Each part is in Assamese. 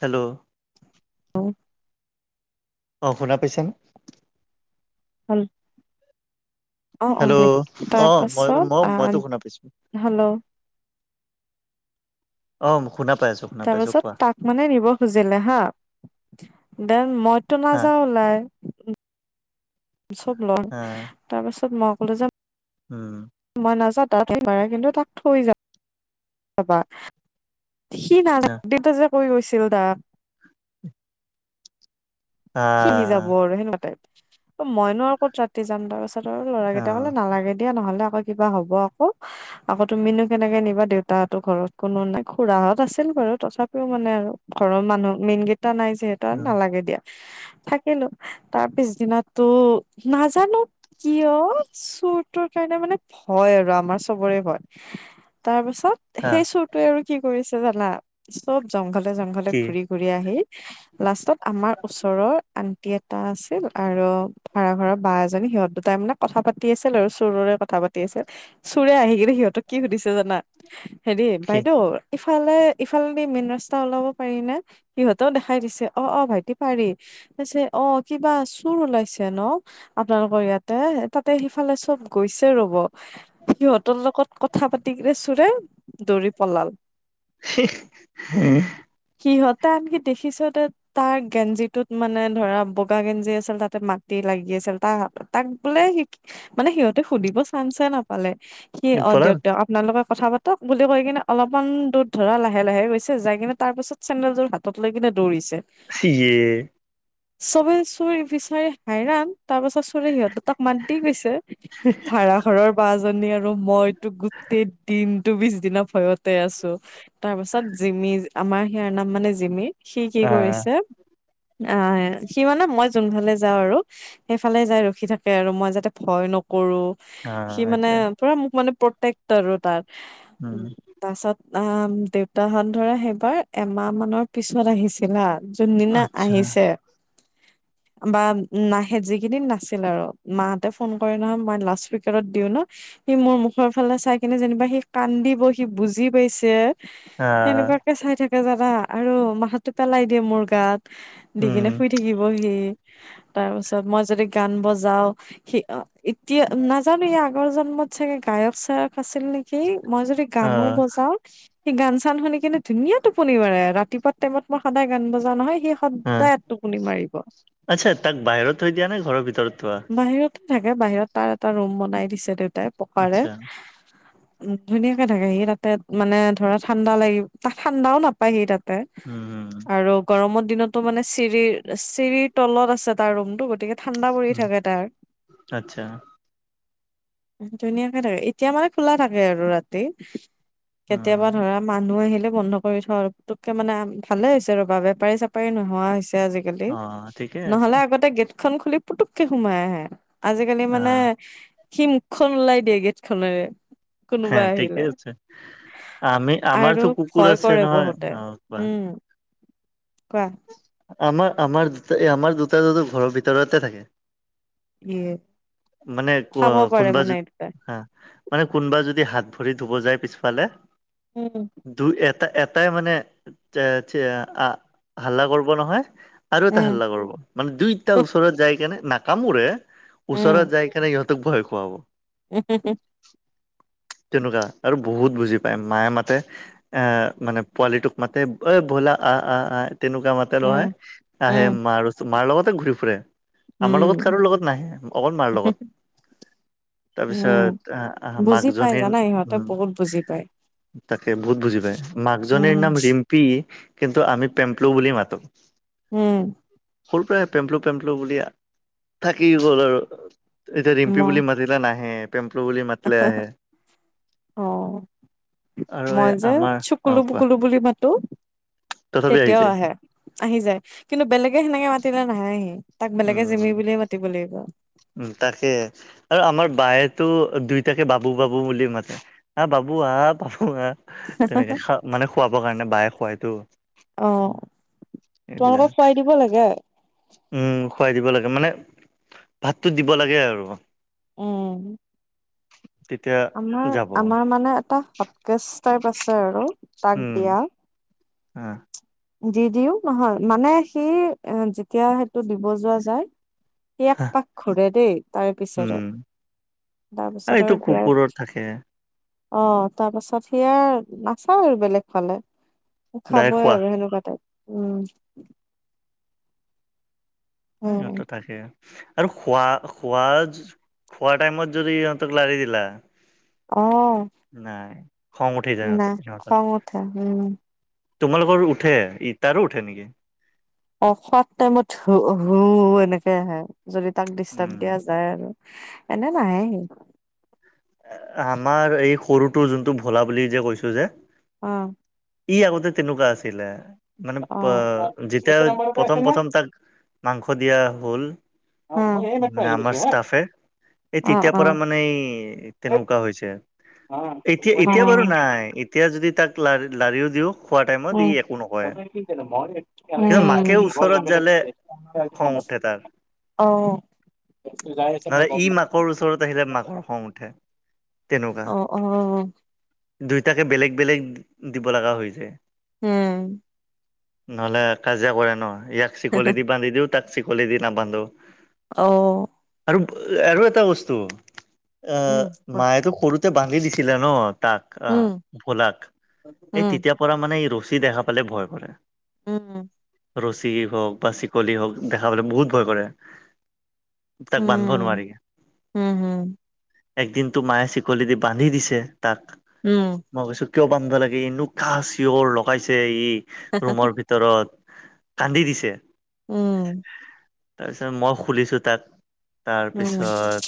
হেল্ল'অ আহ। অঁ শুনা পাইছা নে? উম। অ অ হেল্ল' অ মই তাৰপাছত মই আহ মইতো শুনা পাইছো। হেল্লো অ শুনা পাই আছোঁ। তাৰ পিছত তাক মানে নিব খুজিলে হা। দেন মইতো হা নাযাওঁ ওলাই চব লম হা তাৰ পাছত মই অকলে যাম উম। মই নাযাও তাত এবাৰ কিন্তু তাক থৈ যাম যাবা। সি আ নাযায় দেউতাই যে কৈ গৈছিল তাত। সিহি যাব আৰু সহঁতে মইনো আৰু ক'ত ৰাতি যাম তাৰ ওচৰত। তহঁতৰ অ ল'ৰাৰাকেইটা ক'লে নালাগে দিয়া নহ'লে আক কিবা হ'ব আকৌ। আকৌ তুমিনো কেনেকে নিবা দেউতাহতো ঘৰত কোনো নাই খুৰাহঁত আছিল বাৰু তথাপিও মানে আৰু। ঘৰৰ মানুহ মেইন কেইটা নাই যিহেতু নালাগে দিয়া। থাকিলোঁ তাৰ পিছ দিনোটো নাজানোঁ। কিয় চোৰটোৰ কাৰণে মানে ভয় আৰু আমাৰ চবৰে ভয়। তাৰ পাছত হা সেই চুৰটোৱে আৰু কি কৰিছে জানা চব জংঘলে জংঘলে কি ঘুৰি ঘুৰি আহি লাষ্টত আমাৰ ওচৰৰ আন্টি এটা আছিল আৰু ভাড়া ঘৰ বা এজনী সিহঁত দুটাই মানে কথা পাতি আছিল আৰু চোৰৰে কথা পাতি আছিল। চোৰে আহি কিনে সিহঁতক কি সুধিছে জানা হেৰি কি বাইদেউ ইফালে ইফালেদি মেইন ৰাস্তা ওলাব পাৰি নে সিহঁতেও দেখাই দিছে অ অ ভাইটি পাৰি কৈছে অ কিবা চুৰ ওলাইছে ন? আপোনালোকৰ ইয়াতে তাতে সিফালে চব গৈছে ৰব। সিহঁতৰ লগত কথা পাতি কিনে চোৰে দৌৰি পলাল। [inaudible] সিহঁতে আনকি দেখিছে কি তাক গেঞ্জিটোত মানে ধৰা বগা গেঞ্জি আছিল। তাতে মাটি লাগি আছিল। তাৰ হাতত তাক বোলে শিকি মানে সিহঁতে সুধিব চাঞ্চে নাপালে, সি অ পলাল 'দিয়ক দিয়ক আপোনালোকে কথা পাতক বুলি কৈ কিনে অলপমান দূৰ ধৰা লাহে লাহে গৈছে, যাই কিনে তাৰ পিছত চেন্দেলযোৰ হাতত লৈ কিনে দৌৰিছে। ইয়ে। চবে চোৰ বিচাৰি হায়ৰাণ তাৰ পাছত চোৰে সিহঁত দুটাক মাত দি গৈছে, ভাৰা ঘৰৰ বা জনী আৰু মই গোটেই দিনটো টো পিছ দিনা ভয়তে আছো, তাৰ পাছত জিমি আমাৰ সিয়াৰ নাম মানে জিমি। সি কি আ কৰিছে আহ সি মানে মই যোনফালে যাওঁ আৰু সেইফালে যাই ৰখি থাকে আৰু মই যাতে ভয় নকৰো। আ সি মানে এইটোৱে পুৰা মোক মানে প্ৰটেক্ট আৰু তাৰ। উম তাৰ পিছত আ দেউতাহঁত ধৰা সেইবাৰ এমাহ মানৰ পিছত আহিছিল হা। যোনদিনা আচ্ছা আহিছে বা মাহত যি কেইদিন নাছিল আৰু মাহঁতে ফোন কৰে নহয় মই লাউট স্পীকাৰত দিও ন' সি মোৰ মুখৰ ফালে চাই কিনে যেনিবা সি কান্দিব, সি বুজি পাইছে। আ সেনেকুৱাকে চাই থাকে জানা আৰু মাথাটো পেলাই দিয়ে মোৰ গাত দি উম কিনে শুই থাকিব সি, তাৰপিছত মই যদি গান বজাও সি এতিয়া নাজানো ই আগৰ জন্মত চাগে গায়ক- চায়ক আছিল নেকি? সেই মই যদি আ গানো বজাও সি গান চান শুনি কেনে ধুনীয়া টোপনি মাৰে, ৰাতিপুৱা টাইমত মই সদায় গান বজা নহয় সি আ সদায় এক টোপনি মাৰিব। আচ্ছা, তাক বাহিৰত থৈ দিয়া নে ঘৰৰ ভিতৰত থোৱা? বাহিৰতে থাকে, বাহিৰত তাৰ এটা ৰুম বনাই দিছে দেউতাই পকাৰে। আচ্ছা উ ধুনীয়াকে থাকে সি তাতে মানে ধৰা ঠাণ্ডা লাগিব তাত ঠাণ্ডাও নাপাই নাপায় সি তাতে উম আৰু গৰমৰ দিনতো মানে চিৰিৰ, চিৰিৰ তলত আছে তাৰ ৰুমতটো গতিকে ঠাণ্ডা পৰি থাকে তাৰ আচ্ছা ধুনীয়াকে থাকে, এতিয়া মানে খোলা থাকে আৰু ৰাতি উম কেতিয়াবা ধৰা মানুহ আহিলে বন্ধ কৰি থ আৰু টুককে মানে ভালে হৈছে ৰ'বা বেপাৰী, চেপাৰী নোহোৱা হৈছে আজিকালি। অ ঠিকে আছে নহ'লে আগতে গেট খন খুলি পুতুককে সোমাই আহে। আজিকালি অ মানে সি মুখখন ওলাই দিয়ে গেট খনেৰে। হা ঠিকেই আছে। আমি আৰু আমাৰতো কুকুৰ ভয় আছে কৰে নহয় বহুতে অ'কোৱা উম কোৱা। আমাৰ, আমাৰ দুটা আমাৰ দুটা দুতো ঘৰৰ ভিতৰতে থাকে। ইয়ে। মানে খাব পাৰে কোনোবা মানে যদি এই দুটাই হা মানে কোনোবা যদি হাত ভৰি ধুব যায় পিছফালে উম। দুই এটা, এটাই মানে এ হাল্লা কৰিব নহয়। আৰু এটা উম হাল্লা কৰবো মানে দুইটা ওচৰত যাই কেনে নাকামোৰে ওচৰত উম কেনেকে ইহঁতক ভয় খুৱাব। [unintelligible] তেনেকুৱা আৰু বহুত বুজি পায় মায়ে মাতে। এ মানে পোৱালিটোক মায়ে মাতে ঐ বোল আহ আহ আহ তেনেকুৱা মাতে। উম আহে উম মাৰ ওচৰ মাৰ লগতে ঘূৰি ফুৰে। আমাৰ লগত উম কাৰো লগত নাই, অকল মাৰ লগত। [unintelligible] উম' তাৰপিছত আহ বুজি পাই মাকজনীৰ জানা ইহঁতে উম বহুত বুজি পায়। তাকে বহুত বুজি পায় মাকজনীৰ উম নাম ৰিম- পি কিন্তু আমি পেম্প্লো বুলি মাতো। উম সৰু পৰাই পেম্প্লু পেম্পলু বুলি থাকি গ'ল আৰু এতিয়া ৰিম্পি মই বুলি মাত- মাতিলে নাহে পেম্পলো বুলি মাতিলে আহে। অহ আৰু এই মই যে আমাৰ অ চুকুলো কোৱা পুকুলো বুলি মাতো তথাপি আহি তেতিয়াও যায় আহে। আহি যায়, কিন্তু বেলেগে সেনেকে মাতিলে নাহে সি, তাক বেলেগে উম জিমি বুলিয়ে মাতিব লাগিব। উম তাকে আৰু আমাৰ বায়েতো দুইটাকে বাবু, বাবু বুলি মাতে। আহ বাবু আহ আহ তেনেকে মানে খুৱাবৰ কাৰণে বায়ে খুৱাইতো। অঁ এইবিলাক তোমালোকৰ খোৱাই দিব লাগে? উম খুৱাই দিব লাগে, মানে ভাতটো দিব লাগে আৰু। উম। তেতিয়া আমাৰ যাব আমাৰ মানে এটা হটকেজ টাইপ আছে আৰু তাক দিয়া। আঁহ দি দিও নহয়, মানে সি এ যেতিয়া সেইটো দিব যোৱা যায়। সি এক হা পাক ঘূৰে দেই তাৰে উম পিছৰে। তাৰপিছত এইটো আৰু কুকুৰৰ থাকে এতিয়া অঁ তাৰ পাছত সি আৰু নেচাও আৰু বেলেগ ফালে, দাই খাবই খোৱা আৰু সেনে- কা টাইপ উম। উম ইহত‍ঁৰ থাকেই। আৰু খোৱা খোৱা খোৱা টাইমত যদি ইহঁতক লাৰি দিলা, অ নাই খং উঠি যায় নাই সিহঁতৰ। খং উঠে উম তোমালোকৰ উঠে ই তাৰো উঠে নেকি? অঁ খোৱা টাইমত হু হু এনেকে আহে, যদি তাক ডিষ্টাৰ্ব উম দিয়া যায় আৰু। এনে নাহে সি। আমাৰ এই সৰুটো যোনটো ভোলা বুলি যে কৈছোঁ যে, অঁ। ই আগতে তেনেকুৱা আছিলে। মানে অ যেতিয়া প্ৰথম প্ৰথম তাক মাংস দিয়া হ'ল, অ অ অ অ উম মানে আমাৰ ষ্টাফে এই তেতিয়াৰ পৰা মানে এই তেনেকুৱা হৈছে। এতিয়া এতিয়া বাৰু নাই, এতিয়া যদি তাক লা লাৰিও দিওঁ। খোৱা টাইমত ই একো নকয়, কিন্তু মাকে ওচৰত যালে খং উঠে তাৰ। অঁহ। নহলে ই মাকৰ ওচৰত আহিলে মাকৰ খং উঠে। অঁ অঁ। দুয়টাকে বেলেগ বেলেগ দিব লগা হৈ যায়। উম। নহলে কাজিয়া কৰে ন, ইয়াক চিকলি দি বান্ধি দিওঁ, তাক চিকলি দি নাবান্ধো। অহ। আৰু আৰু এটা বস্তু উম আহ কোৱা মায়েতো সৰু তে বান্ধি দিছিলে ন তাক, উম আঁহ ভোলাক। এই উম তেতিয়া পৰা মানে এই ৰচী দেখা পালে ভয় কৰে। উম উম। ৰছী হওক বা চিকলি হওক দেখা পালে বহুত ভয় কৰে। তাক বান্ধব নোৱাৰি। উম উম একদিনতো মায়ে চিকলি দি বান্ধি দিছে তাক। উম। মই কৈছো কিয় বানধা লাগে এনোকা চিঞৰ লগাইছে উম ই ৰুমৰ ভি তৰত কান্দি দিছে‌ অঁ। উম। তাৰপিছত মই খুলিছোঁ, তাক তাৰপিছত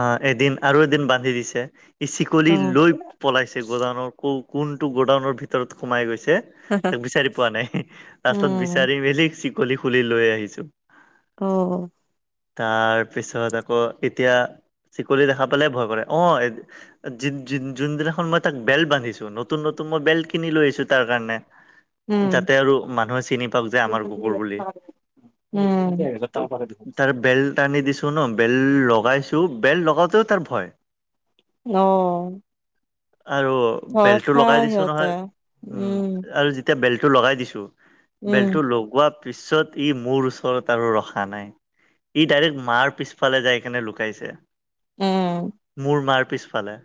অ এদিন আৰু এদিন বান্ধি দিছে ই চিকলি লৈ পলাইছে গ'ডাউনৰ কোনটো গ'ডাউনৰ ভিতৰত সোমাই গৈছে তাক বিচাৰি পোৱা নাই লাষ্টত বিচাৰি মেলি চিকলি খুলি লৈ আহিছো অ তাৰপিছত আকৌ এতিয়া চিকলি দেখা পালে ভয় কৰে অঁ। জিন জিন যোনদিনাখন মই তাক বেল্ট বান্ধিছো নতুন নতুন মই বেল্ট কিনি লৈ আহিছো তাৰ কাৰণে। যাতে আৰু মানুহে চিনি পাওক যে আমাৰ কুকুৰ বুলি। ত তাৰ বেল্ট আনি দিছোঁ ন বেল্ট লগাইছোঁ বেল্ট লগাতেও তাৰ ভয়। অ আৰু বেল্টটো লগাই দিছো সিহঁতে নহয় উম আৰু এতিয়া বেল্টটো লগাই দিছো উম বেল্টো লগোৱা পিছত ই মোৰ ওচৰত আৰু ৰখা নাই। ই ডাইৰেক্ট মাৰ পিছফালে যাই কেনে লুকাইছে উম মোৰ মাৰ পিছফালে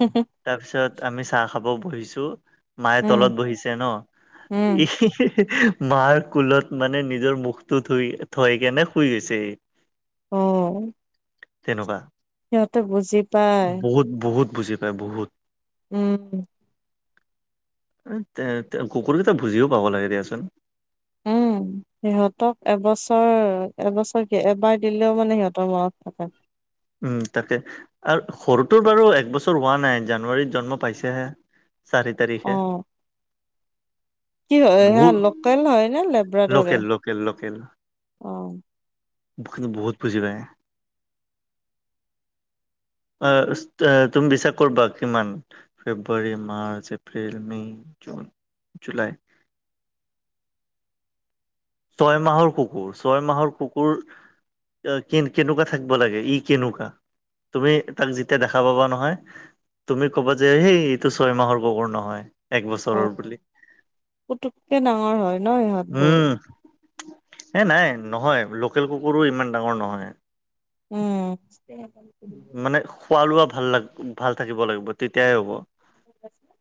হু হু তাৰপিছত আমি চাহ খাব বহিছোঁ, মায়ে তলত উম বহিছে ন উম মাৰ কুলত মানে নিজৰ মুখটো ধুই থৈ কেনে শুই গৈছে সি। অ তেনেকুৱা সিহঁতে বুজি পায় বহুত বহুত বুজি পায় বহুত উম কুকুৰকেইটা বুজিও পাব লাগে দিয়াচোন উম সিহঁতক এবছৰ এবছৰ এবাৰ দিলেও মানে সিহঁতৰ মনত থাকে। উম তাকে আৰু সৰুটোৰ বাৰু একবছৰ হোৱা নাই জানুৱাৰীত জন্ম পাইছেহে চাৰি অ তাৰিখে কি হয় সি বহুত লোকেল হয় নে লেব্ৰাডৰে লোকেল লোকেল লোকেল অ? কিন্তু বহুত বুজি পায়। আহ তুমি বিশ্বাস কৰিবা কিমান, ফেব্ৰুৱাৰী, মাৰ্চ, এপ্ৰিল, মে, জুন, জুলাই- ছয় মাহৰ কুকুৰ ছয় মাহৰ কুকুৰ কে কেনেকুৱা থাকিব লাগে ই কেনেকুৱা তুমি তাক যেতিয়া দেখা পাবা নহয় তুমি ক'বা যে সেই এইটো ছয় মাহৰ কুকুৰ নহয়। এক বছৰৰ অ বুলি পুতুককে ডাঙৰ হয় ন ইহঁতবোৰ উম এ নাই নহয় লোকেল কুকুৰো ইমান ডাঙৰ নহয়। উম মানে খোৱা লোৱা ভাল লাগ ভাল থাকিব লাগিব তেতিয়াই হ'ব। [unintelligible]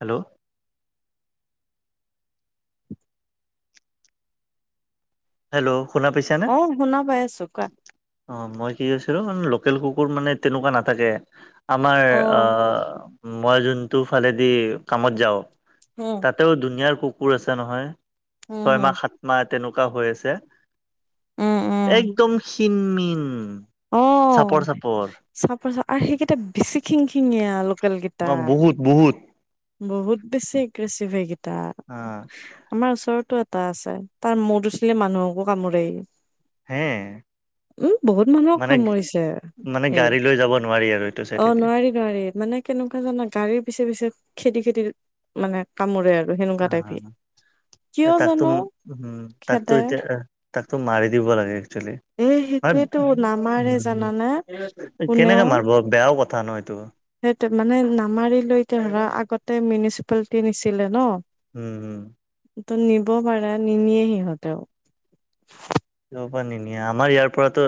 হেল্ল' হেল্ল' শুনা পাইছানে? অ শুনা পাই আছো কোৱা অ মই কি কৈছিলো লোকেল কুকুৰ মানে তেনেকুৱা নাথাকে। আমাৰ অ আহ মই যোনটো ফালেদি কামত যাওঁ, উম তাতেও ধুনীয়াৰ কুকুৰ আছে নহয় উম হম ছয়মাহ, সাত মাহ তেনেকুৱা হৈ আছে। উম উম একদম ক্ষীণ- মীন। অ' চাপৰ, চাপৰ আৰু সেইকেইটা বেছি খিং খিঙিয়া লোকেল গে টা অ বহুত বহুত বহুত বেছি এগ্ৰেচিভ সেই গেটা। অ আমাৰ ওচৰতো এটা আছে তাৰ মূৰটো চুলে মানুহকো কামোৰে ই হে মানুহক মানে, কামুৰিছে মানে গাড়ী লৈ যাব নোৱাৰি আৰু এইটো চাইড এতিয়া। গাড়ী মানে কেনেকুৱা জানা গাড়ীৰ পিছে পিছে খেদি, খেদি। মানে কামোৰে আৰু সেনেকুৱা টাইপি এই তাকতো উম, উম তাকতো খেদে এতিয়া তাকতো মাৰি দিব লাগে একচুৱেলি। এই হয় সেটোৱেতো নামাৰে জানানে কেনেকে কোনেও। মাৰিব বেয়াও কথা ন এইটো সেইটোৱে মানে নামাৰি লৈকে ধৰা আগতে মিনিচিপালকে নিছিলে ন'। উম উম তো নিব পাৰা নিনিয়ে সিহঁতেও। দূৰ পৰা নিনিয়ে আমাৰ ইয়াৰ পৰাতো